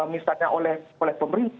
misalnya oleh pemerintah